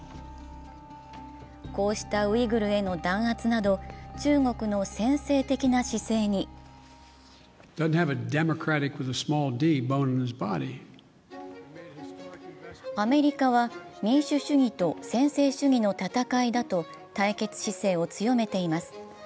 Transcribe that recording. こうしたウイグルへの弾圧など、中国の専制的な姿勢にアメリカは民主主義と専制主義の戦いだと対決姿勢を強めています。